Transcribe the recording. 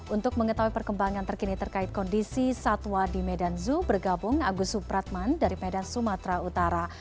untuk mengetahui perkembangan terkini terkait kondisi satwa di medan zoo bergabung agus supratman dari medan sumatera utara